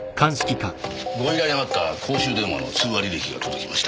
ご依頼があった公衆電話の通話履歴が届きました。